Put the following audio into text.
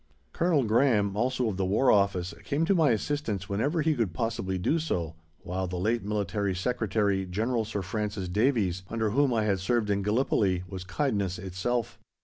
Colonel Graham, also of the War Office, came to my assistance whenever he could possibly do so, while the late Military Secretary, General Sir Francis Davies, under whom I had served in Gallipoli, was kindness itself.